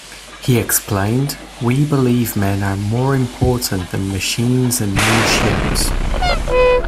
He explained, We believe men are more important than machines and new ships.